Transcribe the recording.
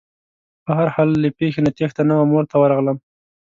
په هر حال له پېښې نه تېښته نه وه مور ته ورغلم.